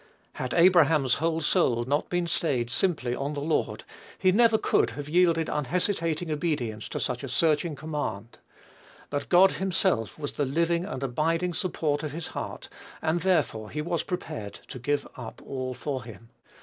Had Abraham's whole soul not been stayed simply on the Lord, he never could have yielded unhesitating obedience to such a searching command. But God himself was the living and abiding support of his heart, and therefore he was prepared to give up all for him.